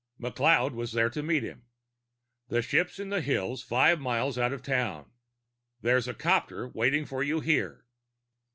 McLeod was there to meet him. "The ship's in the hills, five miles out of town. There's a copter waiting for you here."